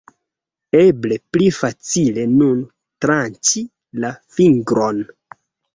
Eble, pli facile nun tranĉi la fingron